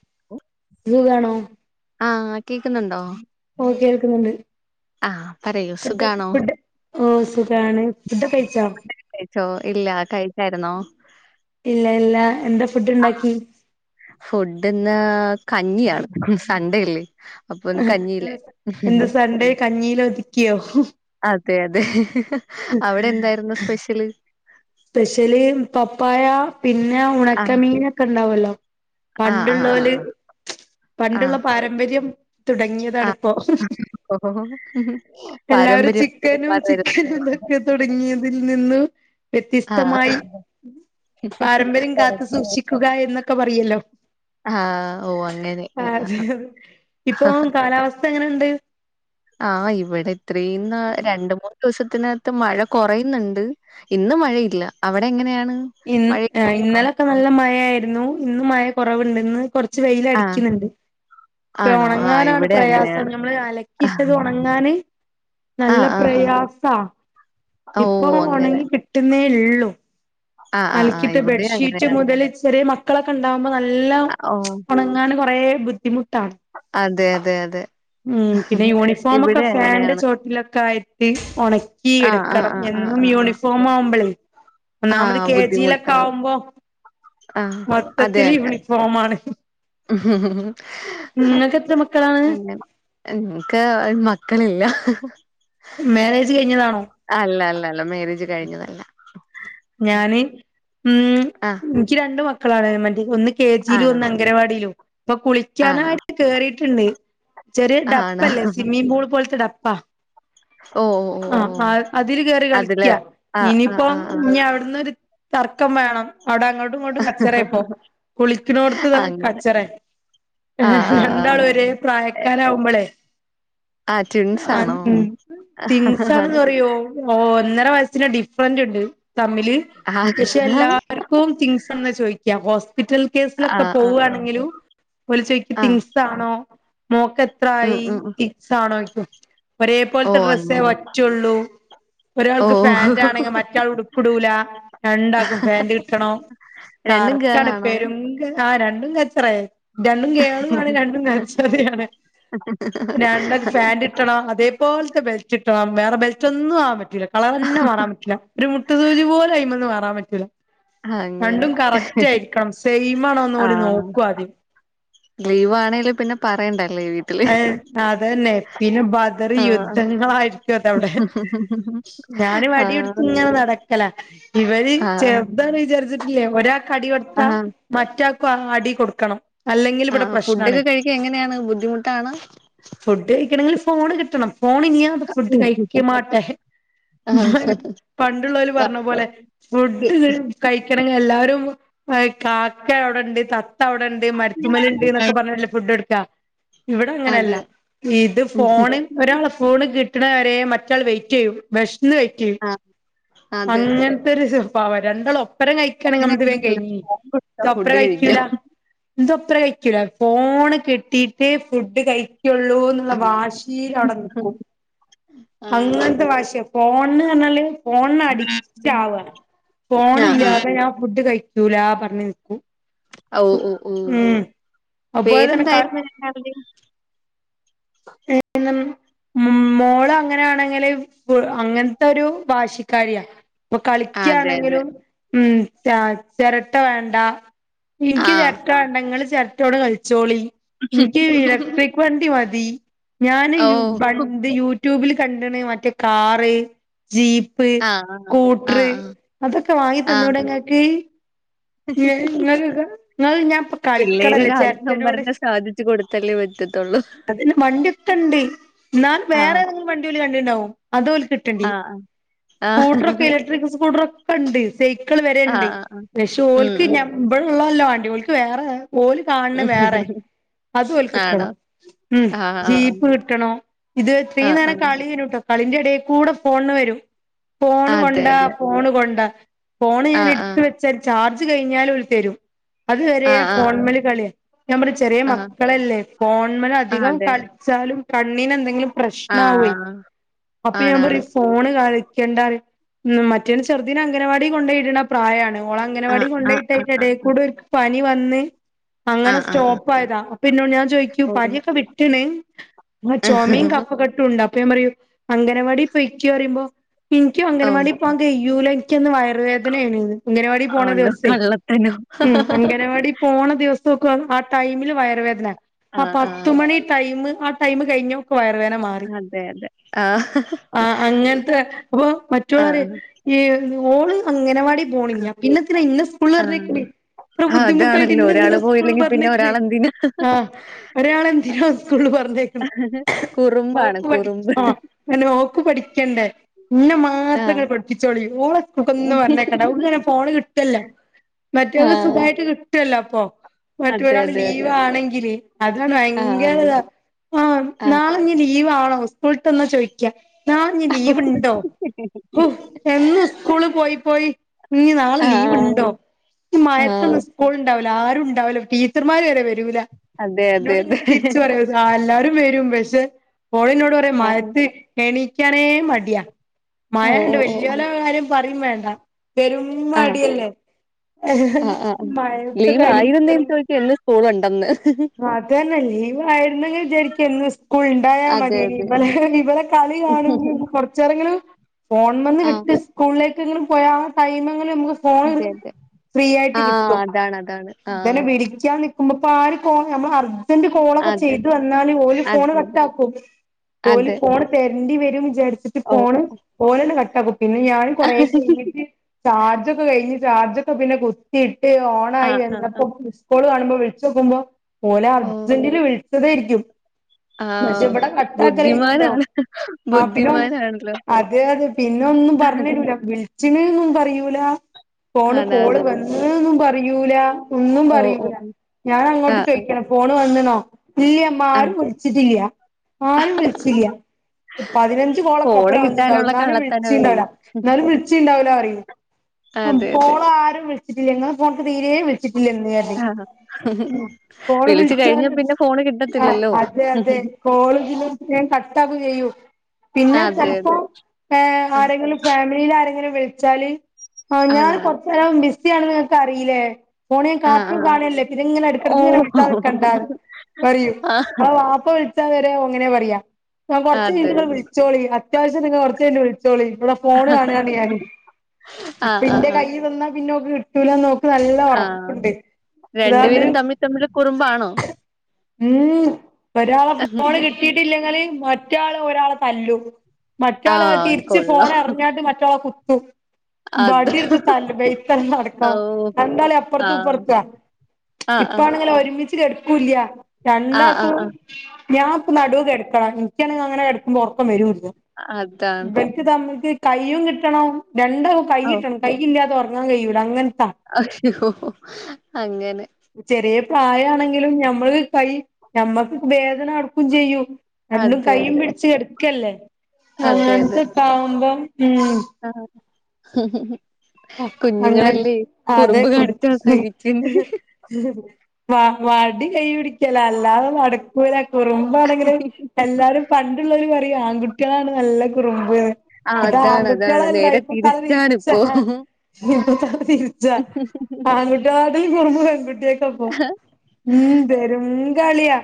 [unintelligible] ത് വേണോ ആഹ് കേക്കുന്നുണ്ടോ? ഓഹ് കേൾക്കുന്നുണ്ട്. ആഹ് പറയൂ ഫുഡൊക്കെ സുഖാണോ ഫുഡ് ഓഹ് സുഖാണ് ഫുഡൊക്കെകഴിച്ചോ? കഴിച്ചോ ഇല്ലകഴിക്കായിരുന്നോ? ഇല്ല, ഇല്ല എന്താഫുഡ് ഇണ്ടാക്കി. ഫുഡ്ന്ന് കഞ്ഞിയാണ്സണ്ടയല്ലേ. അഹ് എന്താസണ്ടെ കഞ്ഞീൽ ഒതുക്കിയോ? അതെ, അതെ അവിടെഎന്തായിരുന്നു സ്പെഷ്യല്? സ്പെഷ്യല് പപ്പായപിന്നെ ഉണക്ക ആഹ് മീനൊക്കെഇണ്ടാവലോ? ആഹ് പണ്ട്ള്ളോല് ആഹ് ആഹ് പണ്ടുള്ളപാരമ്പര്യം ആഹ് തുടങ്ങിയതാണിപ്പോ ആഹ് ഓഹോ എല്ലാരും പാരമ്പര്യം ചിക്കെനും വരുന്നു ചിക്കെനുംതോ ത് തുടങ്ങിയതിൽനിന്നു ആഹ് വ്യത്യസ്തമായി പാരമ്പര്യംകാത്ത് സൂക്ഷിക്കുകഎന്നൊക്കെപറയല്ലോ? ആഹ് ഓ അങ്ങനെ അതെതെ ഇപ്പൊകാലാവസ്ഥ എങ്ങനെണ്ട്? ആഹ് ഇവിടെഇത്രീംന്നാൾ രണ്ട്, മൂന്ന് ദിവസത്തിനകത്ത് മഴ കൊറയുന്നുണ്ട്. ഇന്ന് മഴയില്ലഅവിടെ എങ്ങനെയാണ്? ഇന്ന് ഏ മഴയൊക്കെ ഉണ്ടോ ഇന്നലൊക്കെ നല്ല മഴയായിരുന്നു ഇന്ന്മഴ കൊർവ്ണ്ട്ന്ന് കൊർ ച്ച് വെയില് ആഹ് അടിക്കുന്നുണ്ട്. ആണോ? ആ പ്പഒണങ്ങാനാണ് ഇവിടെ അങ്ങനെയാണ്. പ്രയാസംഞമ്മള് അലക്കിയിട്ടത് ഒണങ്ങാന് ആ, ആ, ആ. നല്ലപ്രയാസാ ഓ! അങ്ങനെ. ഇപ്പൊഒണങ്ങി കിട്ടുന്നേള്ളൂ. ആ, ആ, ആ. അൽക്കിട്ട് ഇവിടെയും ബെഡ്ഷീറ്റ് അങ്ങനെയാണ്. മുതല് ചെറിയ മക്കളൊക്കെഇണ്ടാവുമ്പോ നല്ല ആ, ഓ! ഒണങ്ങാന് കൊറെബുദ്ധിമുട്ടാ. അതെ, അതെ, അതെ ഉം പിന്നെയൂണിഫോമൊക്കെ ഇവിടെ ഫാന്റെ അങ്ങനെയാണ്. ചോട്ടിലൊക്കെആയിട്ട് ഒണക്കി ആ, ആ, എടുക്കണം ആ, ആ, ആ, ആ. എന്നുംയൂണിഫോ ആ, ഫോമാവുമ്പെളേഒന്നാമത് കെ ബുദ്ധിമുട്ടാണ്. ജിയിലൊക്കാവുമ്പോ ആ, മൊത്തത്തില് യൂണിഫോമാണ്. ഹാ നിങ്ങൾക്ക് എത്ര മക്കളാണ് അങ്ങനെ ഇൻക്ക് അഹ് മക്കളില്ല മേരേജ്കഴിഞ്ഞതാണോ? അല്ല, ല്ല, ല്ല മേരേജ്കഴിഞ്ഞതല്ല. ഞാന് ഉം ആ, ഇൻക്ക് രണ്ട്മക്കളാണ് മറ്റേ ഒന്ന് കെ ജിലും ആണോ? ഒന്ന് അഗനവാടിയിലും ഇപ്പൊ ആണോ? കുളിക്കാനായിട്ട് കേറീട്ട്ണ്ട്. ആണോ? ചെറിയഡപ്പല്ലേ സിമ്മിപൂൾ പോൽത്തെ ഡപ്പാ ഓ! ഓ! ഓ! ഓ! ആഅതില്കേറി അതില് കളിക്ക ആ, ആ, ആ, ഇനിയിപ്പം ആ. ഞ്ഞിഅവിട്ന്നൊരു തർക്കംവേണം. അവിടെഅങ്ങോട്ടുംഇങ്ങോട്ടും അങ്ങനെ. കച്ചറെപ്പോകുളിക്ക്ണോട്ത്ത്കച്ചറെ ആ, ആ, ആ, രണ്ടാളും ആ. എ ഒരേപ്രായക്കാരാവുമ്പോളെ ആ ട്വിൻസാണോ? അന്ന് തിങ്സാണ്ന്ന്പറയോ? ഓ ഒന്നരവയസ്സിന് ഡിഫർന്റ്ണ്ട് തമ്മില് ആഹ്. പക്ഷെ എല്ലാർക്കുംതിങ്സ് സന്ന ചോയ്ക്ക ഹോസ്പിറ്റൽ കേസിലൊക്കെ ആഹ് ആഹ് പോവുകവാണെങ്കിലു ഓല് ചോദിക്കും ആഹ്. ട്വിങ്സ് ആണോ മോൾക്ക് ഉം എത്രയി ഉം ഉം. ട്വിങ്സ് ആണോ ചോയിക്കും. ഒരേപോൽത്തെ ഓഹ് അങ്ങനെ. ഡ്രസ്സേപറ്റൊള്ളൂ ഓഹ് ഒരാൾക്ക്ഫാന്റാണെങ്കി മറ്റാൾഉട് പുടൂലരണ്ടാൾക്കും ഫാന്റ് കിട്ടണം രണ്ടും തർക്കാ ണ്‌ ഗേളാണോ? പ്പെരും ആഹ് രണ്ടുംകച്ചറേ രണ്ടും ഗേൾ ആണ് രണ്ടുംകച്ചറെണ് രണ്ട് ഫാന്റ് ട്ടണം അതേപോൽത്തെ ബെൽറ്റ് കിട്ടണം വേറെബെൽറ്റൊന്നും ആവാൻ പറ്റില്ല കളറെന്നെ മാറാൻപറ്റുല് ഒര്മു മുട്ട് സൂജിപോലുംഅയ്മെന്ന് മാറൻപറ്റൂല. അങ്ങനെ. രണ്ടും കറക്റ്റ് ആയിരിക്കണം സെയിം ആണോന്ന് പോലെ നോക്കും ആദ്യം ലീവ് ആണേങ്കലും പിന്നെ പറയണ്ട ലീവ അതന്നെ പിന്നെ ബദർ ആഹ് യുദ്ധങ്ങളായിരിക്കും അത അവിടെ ഞാന് വടിയെടുത്ത് ആഹ് ഇങ്ങനെ നടക്കല ഇവര് ചേ ആഹ് അതന്ന് വിചാരിച്ചിട്ടില്ലേ ഒരാൾക്ക് അടി കൊടുത്താ ആഹ്. മറ്റാക്ക് അടി കൊടുക്കണം അല്ലെങ്കിൽ ആ് ഇവിടെ പ്രശ്നാണ് ഫുഡൊക്കെ കഴിക്കാൻ എങ്ങനെയാണ് ബുദ്ധിമുട്ടാണ് ഫുഡ് കഴിക്കണമെങ്കിൽ ഫോണ് കിട്ടണം ഫോൺ ഇല്യാതെ ഫുഡ് കഴിക്ക മാട്ടേ ആഹ് പണ്ടുള്ളവര് പറഞ്ഞ പോലെ വർക്ക് ഫുഡ് ക ഴിക്കണങ്കിൽ എല്ലാരും കാക്ക അവിടെണ്ട് തത്ത അവിടെണ്ട് മരുത്തുമല ഉണ്ട്ക്കെ പറഞ്ഞ ഫുഡ് കൊടുക്കാ ഇവിടെ അതെ അങ്ങനെയല്ല ഇത് ഉം ഫോൺ ഒരാളെ ഫോണ് കിട്ടണവരെ മറ്റാൾ വെയിറ്റ് ചെയ്യും വിഷന്ന് വെയിറ്റ് ചെയ്യും ആഹ് അതെ അങ്ങനത്തെരു സ്വഭാവ രണ്ടോളും ഒപ്പരം കഴിക്കണെ നമ്മത് വേ അങ്ങനെയാണല്ലോ കഴിഞ്ഞ ഫോൺ കൊടുത്താ ഇത ഫുഡ് ഒപ്പരം കഴിക്കാം. കഴിക്കൂല എന്തപ്പ ഒപ്പരം കഴിക്കൂല ഫോണ് കിട്ടിട്ടേ ഫുഡ് കഴിക്കുള്ളൂ വാശിൽ അവിടെ നിക്കും ഉം അങ്ങനത്തെ ഭാഷയാ ഫോണ്ന്ന് പറഞ്ഞാല് ഫോണിന് അഡിക്റ്റ് ആവുക ഫോൺ ആഹ് ഇല്ലാതെ ആഹ് ഞാ ഫുഡ് കഴിക്കൂല പറഞ്ഞ് നിക്കൂം ഓഹ് ഓഹ് ഓഹ് അപ്പൊ തന്നെ പേര്ന്തായിരുന്നു രണ്ടാള്ടെയും [unintelligible] മോള അങ്ങനെയാണെങ്കിൽ അങ്ങനത്തെ ഒരു വാശിക്കാരിയ ഇപ്പൊ അതെ അതെ കളിക്കയാണെങ്കിലും ഉം ചിരട്ട വേണ്ട എനിക്ക് ആ. ചര ണ്ടങ്ങള് ചേരട്ടോട് കളിച്ചോളി എനിക്ക് ഇലക്ട്രിക് വണ്ടി മതി ഞാന് ഓ! പണ്ട് യൂട്യൂബിൽ കണ്ടണ് മറ്റേ കാറ് ജീപ്പ് ഇപ്പ് ആ, ആ. ആ, സ്കൂട്ടർ ആ. അതൊക്കെ വാങ്ങി ആ. തന്നുടെ ഇങ്ങക്ക് നിങ്ങ നിങ്ങൾ ഞാൻ ഇപ്പ കളിക്കടല്ലേ പിള്ളേരൊരു ആഗ്രഹം ചെരട്ടനോട് പറഞ്ഞാ സാധിച്ചു കൊടുത്തല്ലേ പറ്റത്തുള്ളൂ. അ വണ്ടിയൊക്കണ്ട് എന്നാലും ആ, വേറെ തെങ്കിലും വണ്ടി ഓല് കണ്ടിണ്ടാവും അതോൽക്ക് ആ, കിട്ടണം ആ. സ്കൂട്ടർ ഒക്കെ ഇലക്ട്രിക് സ്കൂട്ടർ ഒക്കെണ്ട് സൈക്കിൾ ആ, വരെണ്ട് ആ, ആ. പക്ഷെ ഉം, ഓല്ക്ക് ഉം. ഞാൻ ഇവിടള്ളല്ലോ ആണ്ട് ഓല്ക്ക് വേറെ ഓല് കാണണ വേറെയാ അതും ഓല്ക്ക് ആണോ? കിട്ടണം ഉം ആ, ആ, ആ. ജീപ്പ് കിട്ടണോ ഇത് ആ, ഇത്രേം ആ. നേരം കളിനിട്ടോ അതിൻ്റെ ഇടേക്കൂടെ ഫോണ് വരും ഫോണ് അതെ, കൊണ്ടാ അതെ. ഫോണ് കൊണ്ടാ ഫോണ് ആ, ഞാൻ ആ. എടുത്ത് വെച്ച ചാർജ് കഴിഞ്ഞാലോര് തരും അത് വരെ ആ, ആ, ആ. ഫോൺമേല് കളിയാ ഞാൻ പറയും ചെറിയ ആ. മക്കളല്ലേ ഫോൺമേല് ആ, അധികം അതെ. കളിച്ചാലും കണ്ണിന് എന്തെങ്കിലും ആ, പ്രശ്നാവേ അപ്പൊ ഞാൻ ആണാണ്. പറയും ഫോണ് കളിക്കണ്ടാറയും ഉം മറ്റേരു ചെറുദിന് അംഗനവാടി കൊണ്ടോയിടുന്ന പ്രായാണ് ഓള ആ, അംഗനവാടി ആ, കൊണ്ടോയിട്ട ആ, ആ. അതിട കൂടെ പനി വന്ന് ആ, അങ്ങനെ ആ, ആ. സ്റ്റോപ്പ് ആയതാ അപ്പൊ എന്നോട് ഞാൻ ചോദിക്കും ഓ, ഓ. പനിയൊക്കെ വിട്ട്ണ് ചുമയും കഫ കെട്ടും ഉണ്ട് അപ്പൊ ഞാ പറയും അംഗനവാടി പൊയ്ക്ക് പറയുമ്പോ എനിക്കും ഓ! അംഗൻവാടി പോവാൻ കയൂല എൻക്കങ്ങ് വയറുവേദനയാണ് അംഗനവാടി പോണ ആണോ ദിവസേ കള്ളത്തനോ? അംഗനവാടി പോണ ദിവസക്കെ ആ ടൈമിൽ വയറു വേദന ആ പത്ത് മണി ടൈമ് ആ ടൈമ് കഴിഞ്ഞ ഓക്ക് വയറുവേദന മാറും അതെ, അതെ. ആ. ആഹ് അങ്ങനത്തെ അപ്പൊ മറ്റോള് ആ, അറിയും ഓള് അങ്ങനവാടി ആ. പോണില്ല പിന്നെന്തിനാ എന്ന സ്കൂളി പറഞ്ഞയക്ക്ണെ ആഹ് ഇത്ര ബുദ്ധിമുട്ടായിട്ട് അതാണല്ലോ ഒരാള് ഇന്നെന്തിനോ സ്കൂളിൽ പോയില്ലെങ്കി പിന്നെ പറഞ്ഞേക്കണേ ഒരാളെന്തിനാ ആ ഒരാള് എന്തിനോ സ്കൂളിൽ പറഞ്ഞേക് കുറുമ്പാണ് കുറുമ്പ് ആഹ് പിന്നെ ഓക്ക് പഠിക്കണ്ടേ ഇന്നെ ആഹ് മാത്രങ്ങള് പഠിപ്പിച്ചോളി ഓള് [unintelligible] പറഞ്ഞ [unintelligible] ഫോണ് കിട്ടുല്ലോ മറ്റവക്ക് ആഹ് സുഖായിട്ട് കിട്ടുവല്ലോ അപ്പൊ അതെ മറ്റൊരാള് അതെ അതെ ലീവാണെങ്കില് അത് ആഹ് ഭയങ്കര അതെ ഇതാ ആഹ് നാളെ ഇഞ്ഞ് ലീവാണോ സ്കൂള്ട്ട്ന്ന ചോയിക്കാ. നാളഞ്ഞി ലീവുണ്ടോ ഹു എന്നും സ്കൂള് പോയി പോയി നി നാളെ ആഹ് ലീവുണ്ടോ ഈ ആഹ് മയത്തൊന്നും സ്കൂളണ്ടാവുല ആരുണ്ടാവുല്ല ടീച്ചർമാര് വരെ വ രൂല അതെ അതെ അതെ ഇന്നോടിങ്ങട്ട് തിരിച്ച് പറയും അഹ് ആ എല്ലാരും വരും പക്ഷ ഓളിന്നോടൊ ടെ ആഹ് മയത്ത് എണിക്കാനേ മടിയാ. ആഹ് ഓഹ് മയൊണ്ട് ഓഹ് ഓഹ് വല്ല്യോലെ കാര്യം പറേം വേണ്ട. പെരും ആഹ് മടിയല്ലേ മയത്ത് കളിക്കണം. എന്നും സ്കൂളുണ്ടന്ന്. അതന്നെ ലീവായിരുന്നെങ്കിൽ വിചാരിക്ക ഇന്ന് സ്കൂൾ ണ്ടായാ അതെ മതിനി അതെ ഇവലെ ഇവടെ കളി കാണുമ്പോ കൊറച്ചേരെങ്കിലു ഫോൺമന്ന് ആഹ് വിട്ട് സ്കൂളിലേക്കെങ്കിലും പോയാ ആ ടൈമെങ്ങിലും നമുക്ക് ഫോൺ അതെ അതെ ഫ്രീ ആയിട്ട് ആഹ് കിട്ടും അതാണ് അതാണ് ആഹ് [unintelligible] പിടി ക്കാ നിക്കുമ്പോ പാളി പോം നമ്മളറിയുന്ന ജൻ്റ് കോളൊക്കെ അതെ ചെയ്തു വന്നാല് ഓല് ഫോൺ അതെ അതെ കട്ടാക്കും ഓല് അതെ ഫോണ് തെരണ്ടി വരും വിചാരിച്ചിട്ട് ഓഹ് ഫോണ് ഓഹ് ഓളെന്നെ കട്ടാക്കും പിന്നെ ഞാനും കുറേ കഴിഞ്ഞിട്ട് ചാർജൊക്കെ കഴിഞ്ഞ് ചാർജൊക്കെ പിന്നെ കുത്തിയിട്ട് ഓണായി ആഹ് ആഹ് വന്നപ്പോ ആഹ് ള് കാണുമ്പോ വിളിച്ചോക്കുമ്പോ ഓല് ഓഹ് അർജൻ്റില് വിളിച്ചതായിരിക്കും. പക്ഷെ ആഹ് ഇവിടെ കട്ടാക്കലഴിഞ്ഞിണ്ടാവും ബുദ്ധിമാനാണ് ആ പിന്നെ ബുദ്ധിമാനാണല്ലോ അതെ അതെ പിന്നൊന്നും പറഞ്ഞരൂല വിളിച്ച്ണ് ന്ന് പറയൂല ഫോണ് കോള് ആണാണാണ് വന്ന് അ്ന്ന് പറയൂല ഒന്നും ഓ ഓ പറയൂല. ഓ. ഞാനങ്ങോട്ട് ആഹ് ആഹ് ഫോണ് വന്ന്ണോ ഇല്ല്യമ്മാ ആഹ് ആരും വിളിച്ചിട്ടില്ല ആരും വിളിച്ചില്ല. പതിനഞ്ച് ഫോണ് കോളക്കൊപ്പരം വന്നിണ്ടാവും കിട്ടാനുള്ള ഇന്നാലും കള്ളത്തനവേ വിളിച്ചിണ്ടാവൂല ഇന്നാലും വി ച്ചിണ്ടാവൂല്ലാറിയും അഹ് അതെ അതെ കോളാരും വിളിച്ചിട്ടില്ല ഇങ്ങള ഫോണ്ക്ക് തീരേ വിളിച്ചിട്ടില്ലന്ന് പറയും ആഹ് ഉം കോള് വിളിച്ച് കഴിഞ്ഞാ വിളിച്ചാല് പിന്നെ ഫോണ് കിട്ടത്തില്ലല്ലോ. കോളേജിൽ മേം കട്ടാക്കു ചെയ്യും. പിന്നെ അതെ ചെൽപ്പോ അതെ ഏഹ് ആഹ് ആരെങ്കിലും ഫാമിലിയിൽ ആരെങ്കിലു വിളിച്ചാല് ആ ഞാൻ ആണാണ് കൊറച്ചേരം ബിസി ആണെന്ന് ഇങ്ങക്ക് അറിയില്ലേ ഫോണ് ഞാൻ ആഹ് ആഹ് കാർട്ടൂൻ ആഹ്. കാണല്ലെ. പിന്നെങ്ങെനെ ഓ എടക്കട്ക്ക്ങ്ങനെ വി തവ്ക്കണ്ടാന് പറയും ആഹ് ആവാപ്പ വിൾ ച്ചാ വരെ ഓഅങ്ങനെ പറയാ ങ്ങ അതെ കൊറച്ചഴിഞ്ഞട്ട് അതെ വിളിച്ചോളി അത്യാവശ്യണ്ടങ്കി കൊറച്ചഴിഞ്ഞിട്ട് വിളിച്ചോളി ഇവിടെ ഫോണ് കാണാണ് ഞാൻ ഇപ്പ ആഹ് ആഹ് ഇന്റെ ആഹ് കയ്യിൽ വന്നാ പിന്നോക്ക് ട്ടൂലന്ന് ഓക്ക് നല്ല ആഹ് ഒറപ്പുണ്ട് ലാന്ന് രണ്ടുപേരും തമ്മി തമ്മില് കുറുമ്പാണോ? മ് ഒരാളെ ഫോണ് കിട്ടിയിട്ടില്ലെങ്കിൽ മറ്റേ ആൾ ഒരാളെ തല്ലും. മറ്റാള് ആഹ് തിരിച്ച് കൊള്ളാം ഫോണെറിഞ്ഞാണ്ട് മറ്റാളെ കുത്തും. അത് ബടി ട്ത്ത് തല്ലുബഴക്ക് അയ്ന് അടക്കള ഓ രാണ്ടാളിം അപ്പുറത്ത് ആഹ് ഇപ്പറ്ത്താ. ആഹ് ഇപ്പാണെങ്കിലൊ രുമിച്ച് കെട്ക്കൂല ആഹ് ആഹ് രണ്ടാക്കും ആഹ് ആഹ് ഞൻ പൊ നടൂ കെട്ക്കണം ഇൻക്കാണെങ്കി അങ്ങനെ കെ ക്കുബോ ഒറക്കം വരൂല്ല. അതാണ് ഇവൽക്ക് താ മറ്റെ കയ്യും കിട്ടണം രണ്ടാൾ ഔ കൈയ്യിട്ടണം കൈയില്ലാതെ ഒറങ്ങാൻ കഴിയൂല അങ്ങനത്താ അയ്യോ അങ്ങനെ ചെറിയ പ്രായാണെങ്കിലും ഞമ്മൾ കൈ ഞമ്മക്ക് വേദനാടുക്കു ചെയ്യും. രണ്ടും അതെ, കൈയ്യും അതെ. പിടിച്ച് കെട്ക്കല്ലേ അതെ, അതെ. അങ്ങൻത്തെക്കാവുമ്പം ഉഹ് ആഹ് അങ്ങനെ കുഞ്ഞുങ്ങളല്ലേ കുറുമ്പ് കാണിച്ചാ സഹിച്ചെന്നെ. വാ വാടി കൈ പിടിക്കല അല്ലാതെ നട ല കുറുമ്പാണെങ്കില് എല്ലാരും പണ്ടുള്ളവര് പറിം ആൺകുട്ട്യാളാണ് നല്ല കുറുമ്പ്. ആ ഇത് അതാണ്, അതാണ്. ആൺകുട്ട്യാളല്ല നേരെ ഇപ്പൊ തല തിരിച്ചാ തിരിച്ചാണിപ്പോ. ഇപ്പ തലതിരിച്ച. ആൺകുട്ട്യാാട്ടിലും കുറമ്പ് പെൺകുട്ട്യാക്കാപോ ഉഹ്. പെരും കളിയാ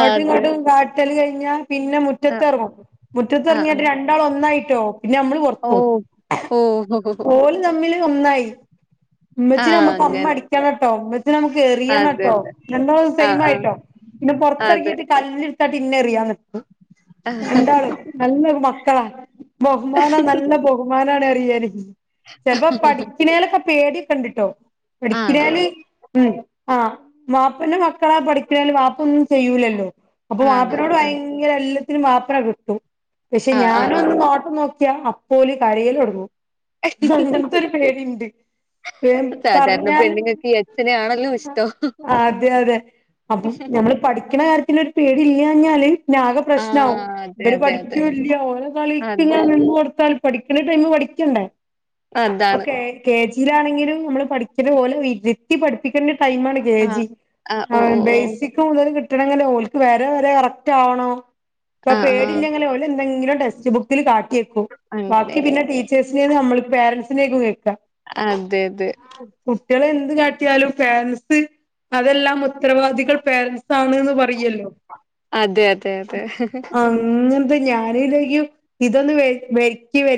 ആ, അതെ. ഇങ്ങോട്ടു കാട്ടല് കഴിഞ്ഞാ പിന്നെ മു അ മുറ്റത്തിറങ്ങും ആ, ആ. മുറ്റത്തിറങ്ങിട്ട് രണ്ടാളും ഒന്നായിട്ടോ പിന്നെ നമ്മള് ഓ പൊറത്തും ഓ ഓല് തമ്മില് ഒന്നായി ആ ഉമ്മച്ചി നമുക്ക് അമ്മ അങ്ങനെ. അടിക്കൻ കേട്ടോ ഉമ്മച്ചി നമുക്ക് എറിയൻ അതെ, കേട്ടോ അതെ. എല്ലോ ആ, സെയിം ആ. ആയിട്ടോ പിന്നെ അതെ. പൊറത്തിറക്കിയിട്ട് കല്ല് എടുത്തായിട്ട് ഇന്നെ എറിയാൻ നിക്കും രണ്ടാളും നല്ലൊരു മക്കളാ ബഹുമാനം നല്ല ബഹു ബഹുമാനണെ അറിയേൽ ചിലപ്പോ പഠിക്കുന്നാലൊക്കെ പേടി ക്ണ്ട്ട്ടോ പഠിക്കണേല് ആണാണ്. ഉ ആഹ് വപ്പന്റെ മക്കളാ പഠിക്കുന്നല് വപ്പ ഒന്നും ചെയ്യൂലല്ലോ അപ്പൊ ആണ്. മാപ്പനയോട് ആ. ഭയങ്കര എല്ലാത്തിനും വപ്പന കിട്ടും പക്ഷെ ആ, ആ, ഞാന് ആ. ഒന്ന് നോട്ട് നോക്കിയാ അപ്പോലും കരയല് തുടങ്ങും. അങ്ങനത്തെരു പേടിണ്ട് പി സാധാരണ പറഞ്ഞാല് പെണ്ണുങ്ങൾക്ക് ഈ അച്ഛനെ ആണല്ലോ ഇഷ്ടം. ആഹ് അതെ അതെ അപ്പം ഞമ്മള് പഠിക്കുന്ന കാര്യത്തിൽ ഒരു പേടി ഇല്ലാഞ്ഞാല് ആക ആ. പ്രശ്നമാവും അതെ, ഇവര് അതെ, പഠിക്ക അതെ. ഇല്ല ഓരോ കളിക്ക് അതെ. ഇങ്ങനെ നിന്ന് കൊടുത്താൽ പഠിക്കണ ടൈമ് പഠിക്കണ്ടേ അതാണ്. ഓക്കെ ഇവിടാണെങ്കിലും നമ്മള് പഠിക്കുന്ന പോലെ വീട്ടി ഇരുത്തി പഠിപ്പിക്കേണ്ട ടൈം ആണെങ്കി ആ. ജി ആ. ഓ, ഓ, ഓ. ബേസിക് മുതൽ കിട്ടണമെങ്കിൽ ഓക്ക് വരെ വരെ കറക്റ്റ് ആവണോ അപ്പൊ ആ, ആ. പേടില്ലെങ്കില് ഓല് എന്തെങ്കിലും ടെക്സ്റ്റ് ബുക്കിൽ കാട്ടിയെക്കു ബാക്കി അങ്ങനെങ്ങനെ. പിന്നെ ടീ ടച്ചേഴസിനേ നമ്മൾ പെരൻറ്സിനക്കും കേൾക്കാം അതെത് കുട്ടികളെ എന്ത് കാട്ടിയാലും പേരന്റ്സ് അതെല്ലാം ഉത്തരവാദികൾ പേരൻസ് ആണന്ന് പറയല്ലോ അതെ അതെ അതെ അങ്ങനത്തെ ഞാനലെയും ഇതൊന്ന് വെട്ടി വെ